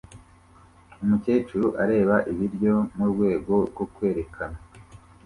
Umukecuru areba ibiryo murwego rwo kwerekana